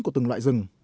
của từng loại rừng